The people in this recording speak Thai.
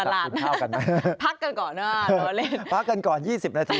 ตลาดนะพักกันก่อนนะล้อเล่นพักกันก่อน๒๐นาที